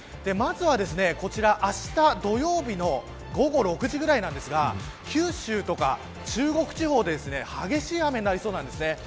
まずは、あした土曜日の午後６時ぐらいなんですが九州とか中国地方で激しい雨になりそうです。